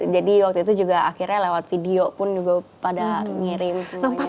jadi waktu itu juga akhirnya lewat video pun juga pada ngirim semuanya